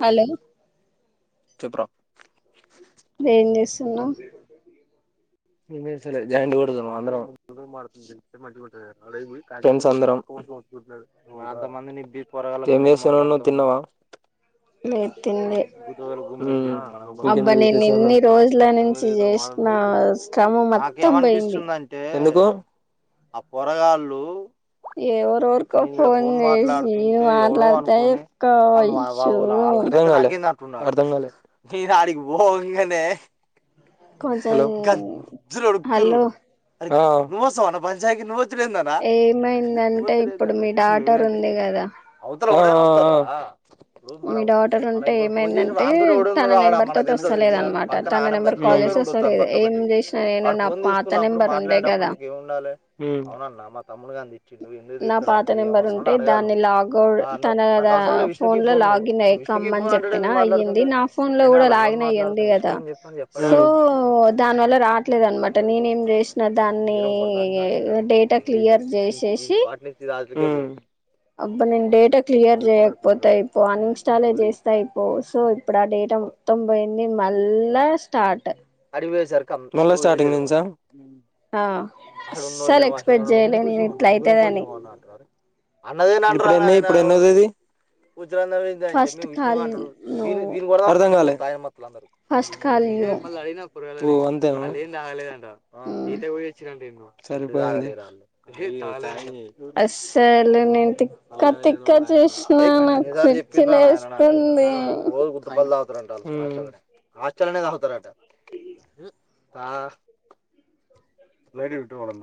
Hello చెప్పు రా ఏం చేస్తున్నావ్? ఏమీజెస్తలే జాయిట్ కొడతన్నాం అందరం, ఫ్రెండ్స్ అందరం. ఏం చేస్తున్నవు నువ్వు తిన్నావా? లేద్ హ్ ఇంకేంటి అబ్బా నేను విశేషాలు ఎన్ని రోజుల నుంచి చేసిన శ్రమ మొత్తం పోయింది ఎందు కు ఎవరివరకో ఫోన్ చేసి మాట్లాడుతుంటే ఎవడో మాట్లాడతే అనుకోని ఒక్క ఇష్యు. అర్ధంకాలే కొంచం హలో ఆ ఏమైందంటే ఇప్పుడు మీ డాటర్ ఉంది కదా ఆ ఆ ఆ మీ డాటర్ ఉంటే ఏం ఆ వస్తలేదనమాట తన నెంబర్ కాల్ చేసి వస్తలేదు ఏం హ్ చేసినా నేను నా పాత నెంబర్ ఉండే కదా మల్ గధ నా పాత నెంబర్ ఉంటే దాన్ని నువ్వు లాగ్ అవు ఆ అన్నావ్ తన నాకు అవసరం లేదు విష్ణుకి ఫోన్ లో నువ్వు లాగిన్ అయి నువ్వు విష్ణుకి కమ్మ అని ఫోన్ చెప్ప ప్పినా అంటాడేంది అయ్యింది. మాట్లాడుతుంటే నా ఫోన్ లో అరే నేను కూడా వాళ్ళ అన్నోని లాగిన్ అయి ఉంది మాట్లాడుతున్న విష్ణు కదా, ఏం చెప్పని సో చెప్పరాదు దాని వల్ల రావట్లేదు దాని అనమాట జోడుకు నేనే ఏం చేసిన వాని దాన్ని పేరేమో కొడతారు డేటా క్లియర్ చేశేశి హ్ అబ్బా నేను డేటా క్లియర్ చేయకపోతే అయిపోవు అన్ఇన్స్టాలే ఓలీ చేస్తే అయి పోవు సో ఇప్పుడు ఆ డేటా మొత్తం పోయింది, మళ్ళా స్టార్ట్ ఆడికి మళ్ళా స్టార్టింగ్ నుంచా ఆ అడున్నళ్ళ అస్సలు ఎక్స్పెక్ట్ నువ్వ చేయలే నేను కూర్చన్నా ఇట్లా నువ్వ అయితదని కూర్చు అంట అన్నదే ఇప్పుడు ఎన్ని, ఇప్పుడు ఎన్నోది ఇది. ఫస్ట్ కాల్ నువ్వు అర్ధం కాలే. దైన మ ఫస్ట్ కాల్ యూ ఓ అంతేనా. ఆ సీతే గుయ వచ్చినీ సరిపోయింది. అస్సలు నేను తిక్క తిక్క చేసినా. ఏయ్ నాకు అన్నిసార్లు పిచ్చి చెప్పిండ్రా లేస్తుంది. హ్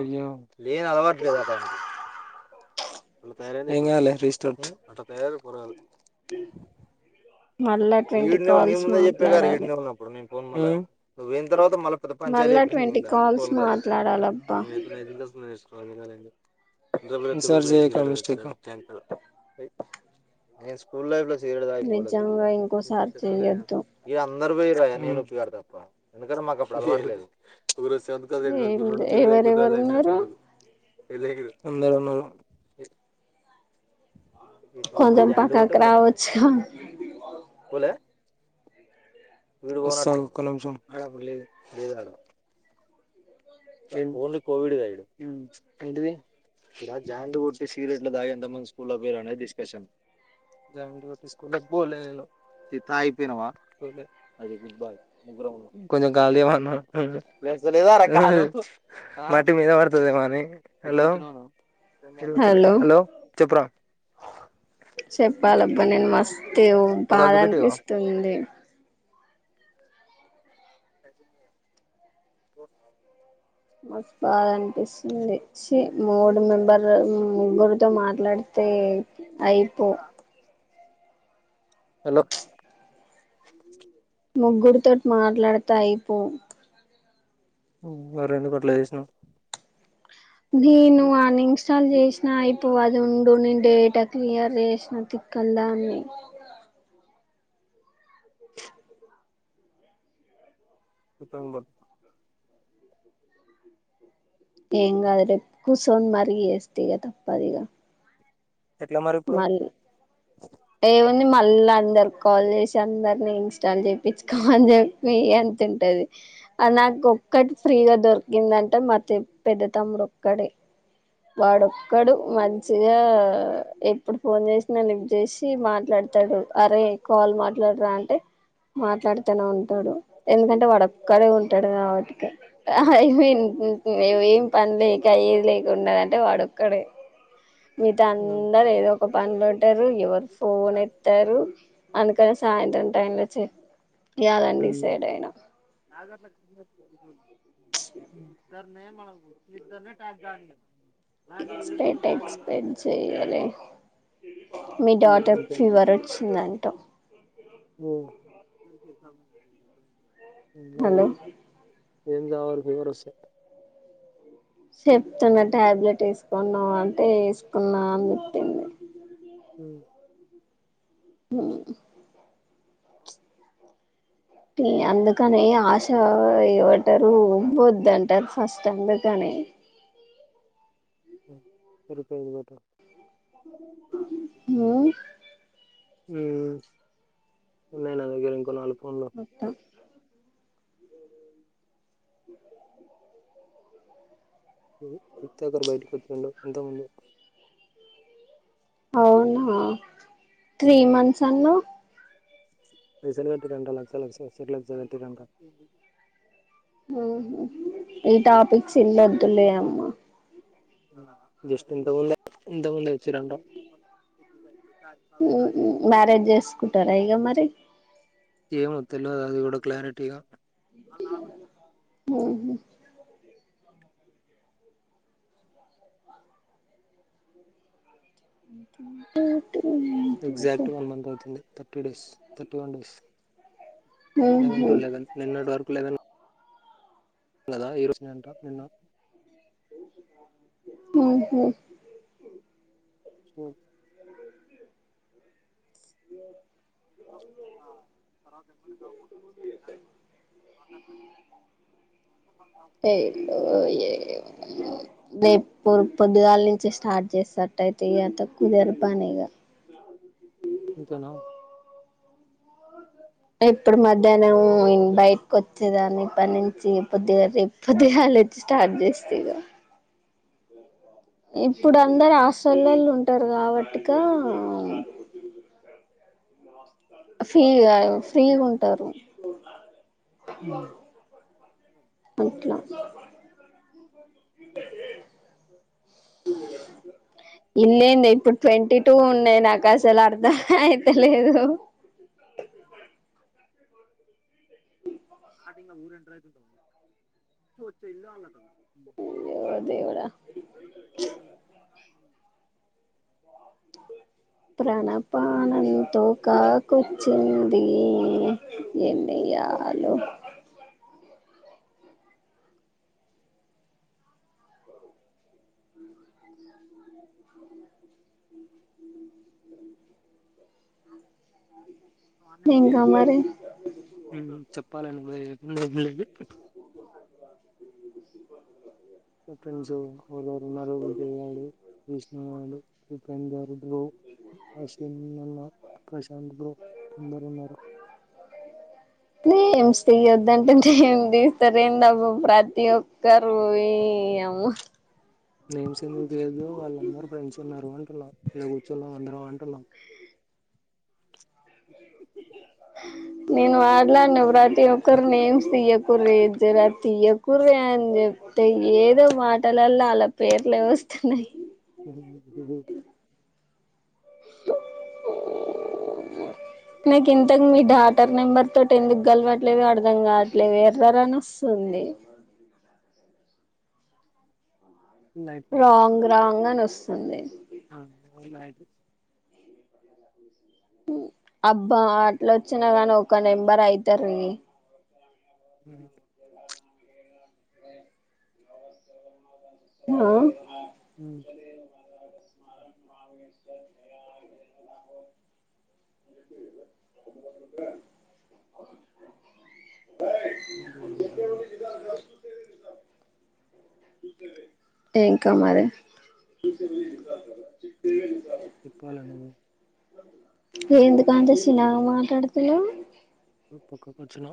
అయ్యో లేని అలవట్లేదు అతనికి ఎంకాదులే రీస్టార్ట్. మళ్ళా ట్వంటీ ఈడు నె నీ కాల్స్ ముందే చెప్పే గారు ఏడు మాట్లాడాలి నె ఉన్నప్పుడు నేను నువ్వెంత రోత్. మల్ల పెద్ద పంచాయతీ మళ్ళా ట్వంటీ లేపింది కాల్స్ ఫోన్ గల్లా. మాట్లాడాలబ్బా ఆహ్ వెన్సర్ చెయ్ కమిషన్. నేను స్కూల్ లైఫ్ లో. ఇప్పటిదాకా పోలే స్కూల్ నిజంగా లైఫ్. ఇంకోసారి చేయొద్దు. ఈడ అందరు పోయిరా నేను వచ్చి కొడతా పో ఎందుకంటే మాకు అప్పుడు అలవాటు లేదు ప్చ్. సెవెంత్ క్లాస్ ఏం ఎవరెవరు ఉన్నారు [unintelligible] రెండు [unintelligible] అందరున్నారు. ఈ కొంతమంది కొంచెం బ్యాండ్ కొట్టి పక్కకు పోయినట్టున్నారు రావచ్చుగా పెళ్లికి. అసలు ఒక నిమిషం. కొంచెం కాల్ తీయ్ అన్న. మట్టి మీద పడుతదేమోని హలో. హలో చెప్పురా. చెప్పాలబ్బ నేను మస్తే. ఎవో ఒక బాధ అగ్గిపెట్టిగా అనిపిస్తుంది. మస్తు బాధ అనిపిస్తుంది ఛీ మూడు మెంబర్లు ముగ్గురు. తో మాట్లాడితే. అయిపో హలో ముగ్గురు తోటి మాట్లాడితే అయి పోవ్ మరి ఎందుకు అట్లా చేసినావ్. కాల్ చేసినా అయిపో అది ఉండు నేను డేటా క్లియర్ చేసిన తిక్కల్ దాన్ని. ఛ్ హోంవర్క్. ఏం కాదులే రేపు కూర్చోని మరి చేస్తా ఇగ తప్పదిగా. ఎట్లా మరిఇప్పుడు. మళ్ళీ ఏముంది మళ్ళా అందరు కాల్ చేసి అందరిని ఇన్స్టాల్ చేపించుకోమని చెప్పి ఎంత ఉంటది. నాకు ఒక్కటి ఫ్రీగా దొరికిందంటే మా పెద్ద తమ్ముడు ఒక్కడే. వాడొక్కడు మంచిగా ఎప్పుడు ఫోన్ చేసినా లిఫ్ట్ చేసి మాట్లాడతాడు. అరే కాల్ మాట్లాడరా అంటే మాట్లాడితేనే ఉంటాడు. ఎందుకంటే వాడొక్కడే ఉంటాడు. కాబట్టి ఇక ఆహ్ ఏం పని లేక ఏది లేక. ఉన్నాడంటే వాడోక్కడే. మిగతా అందరు ఏదో ఒక పనులో ఉంటారు. ఎవరు ఫోన్ ఎత్తారు. అందుకని సాయంత్రం టైం లో చె చేయాదండి ఈ సైడ్ అయినా. ఇద్దరిని ఏమనకు ఈ ఇద్దర్నే టాస్క్ కానీయన్. ఎక్స్పేట్ ఎక్స్పేట్ చేయలేను మీ డాటర్ అంతే ఫీవర్ వచ్చిందంటా ఓ ఉండాల హలో ఏందెవాలా ఫీవర్ వస్తే చెప్తున్నా టాబ్లెట్ ఎసుకున్నా అంటే ఎసుకున్నా అనిచేప్పింది మ్ ఉహు అందుకని ఆశ ఇ్వంటరు వ్వదు అంటరు ఫస్ట్ అందుకని రూపాయి లెవట ఇగో మ్ ఉన్నాయ్ నా దగ్గర ఇంకో నాలుగు ఫోన్లు వస్తా [inaudible] [inaudible] నిత్య అగర్ బయటికి వచ్చిండు ఇంతకుముందు అవునా త్రీ మన్స్ అన్నవ్ పైసలుకటిరంట లక్ష లక్ష చేరి లక్ష కటిరంనటా ఈ టాపిక్స్ ఇల్లవోదులే అమ్మ జస్ట్ ఇంతకముందె ఇంతకు ముందె వచ్చి రంటా మ్ మ్యారేజ్ చేసుకుంటారా ఇగా మరి ఎమో తెలువదు అదిగూడా క్లారిటీగా ఉహు [unintelligible] ఎగ్జాక్ట్ వన్ మంత్ అవుతుంది thirty days thirty one days eleven to eleven నిన్నటివరకు లెవన్ గదా ఈరోజెనంట నిన్న ఉహు మ్ ఏస రేపు పొద్దుగాల నుంచి స్టార్ట్ చేసినట్టయితే ఇ కుదేర్ పనీఇగా ఇంతేన ఇప్పుడు మధ్యాహ్నం బయటకి వచ్చేదాన్ని ఇప్ప నుంచి కోద్దిగా పొద్దుగాల లేచ్చి స్టార్ట్ చేస్తా ఇగా ఇప్పుడు అందరు ఆ చెల్లెల్లు ఉంటారు కాబట్టిఇకా ఫ్రీగాదు ఫ్రీగా ఉంటరు పట్లా ఇల్ంద ఇప్పుడు ట్వంటీ టూ నే నాకు అసలు అర్థం అయితే లేదు ఆటింగ్ ఊరుడ తచ్చ వచ్చ ఇల్ అలాడం అయ్యో దేవుడా వె ప్రణపానంతో కాకొచ్చింది ఎన్నియాలు ఇంకా మరి చెప్పాలని తెల్సూ [unintelligible] నాలు ఉపందారు నువ్ అశ్వన్ [unintelligible] ప్రశాంత్ బ్రో అందరున్నారు నేమ్స్ తీయద్దు అంటే ఏం తీస్తారేం దబ్బ ప్రతి ఒక్కరు ఇ అమ్మ నేమ్స్ ఎందుకు తియద్దు వాళ్ళందరూ ఫ్రెండ్స్ ఉన్నారు అంటున్నా ఈడ కూర్చుందాం అందరం అంటున్నాం [inaudible] నేను వాడలా నువ్వు ప్రతి ఒక్కరు నేమ్స్ తియ్యకుర్రి ఇ జరా తియ్య కుడదు అని చెప్తే ఏదో మాటలలో అలా పేర్లు వస్తున్నాయి [unintelligible] నేకిన్ మీ డాటర్ నెంబర్ తోటీ ఎందుకు గలవాట్ ట్లేదు అర్థం కాదు ఇట్లా ఎర్రర్ అని వాస్ తుంది రాంగ్ రాంగ్ [unintelligible] వస్తుంది అర్థమయ్యిందా ఇది అబ్బా అట్లొచ్చినా కానీ ఒక నెంబర్ అయితారు దీ [unintelligible] ఆ ఉ [unintelligible] ఇంక మరి చెప్పాల నువ్వే ఎందుకు అంత సిన్నగా మాట్లాడుతన్నావ్ పక్కకి వచ్చిన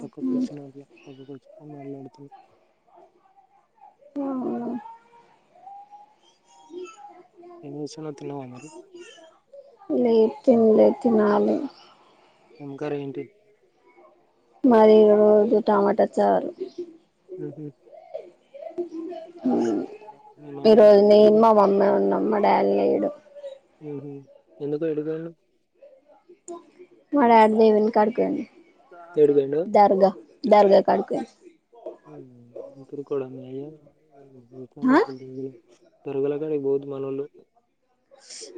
పక్కకూ వచ్చున అల్ల పక్కకూ వచ్చిన మాట్లాడు తుంది ఆ ఆ ఏం చేస్తున్నావ్ తిన్నావా మరి లెత్తే ఇంగ తినాలి ఎంకర్రి ఏంటి? మరి ఈ రోజు టమాటా చారు. హ మీ ఈ మమ్మీ రోజు డాడీ నేమ్మా మమ్మ ఉన్నామ్మ డ్యాలయుడు ఎందుకో ఎడిపోను మ ఆడదేవను కడుకడి ఏడికి పోయిండు దర్గా ర్గా కడక అ్య పోయిండు దొరగల కానీ బోద్ మనలు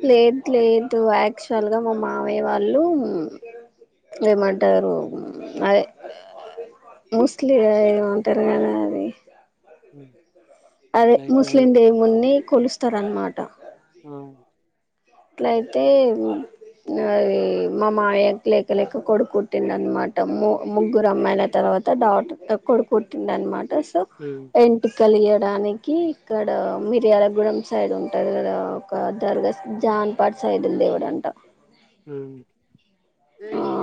లేదు లేదు యాక్చువల్గా మా మామయ్య వాళ్ళు ఏమంటారు అదే ముస్లి ఏమంటారు కదా అది హ్మ్ అ ముస్లిం దవి మున్ని కొలుస్తారన్నమాట ఆ అట్లయితే అ మా మాయ లేకలేక కొడుకుట్టింది అనమాట ముగ్గురు అమ్మాయిల తర్వాత డాటర్ కొడుకుట్టింది అనమాట ఉమ్ ఎంట కలిగడానికి ఇక్కడ మిరియాలగడెం సైడ్ ఉంటంది ఇక్కడ ఒక దర్గా జాన్పాట్ సైదుల దేవుడు అంటా హ్మ్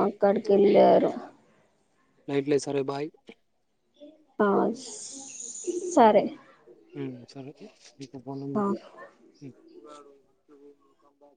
అక్కడికి వెళ్ళారు రైట్ల సరే బాయ్ అ సరే హా సరే ఇంకో ఫోన్ ఆ నంబర్ ఇయ్ మ్మ్ ను వెళ్ళు కమ్ బ్యాక్